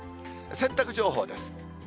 洗濯情報です。